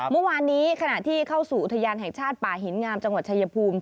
เมื่อวานนี้ขณะที่เข้าสู่อุทยานแห่งชาติป่าหินงามจังหวัดชายภูมิ